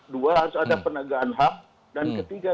dua harus ada penegahan hak dan ketiga